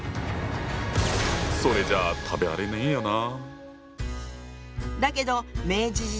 それじゃあ食べられねえよな。